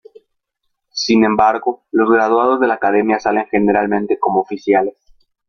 Sin embargo, los graduados de la Academia salen generalmente como oficiales.